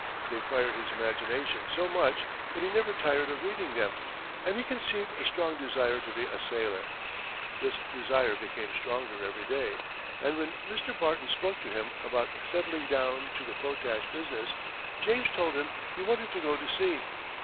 They fired his imagination so much, that he never tired of reading them, and he conceived a strong desire to be a sailor. This desire became stronger every day, and when Mr. Barton spoke to him about settling down to the potash business, James told him he wanted to go to sea.